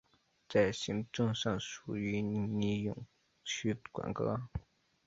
在行政上属于尼永区管辖。